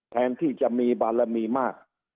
แทนที่จะมีบารมีมาก